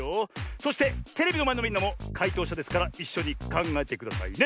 そしてテレビのまえのみんなもかいとうしゃですからいっしょにかんがえてくださいね。